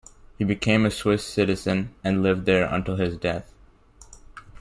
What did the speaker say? He became a Swiss citizen and lived there until his death.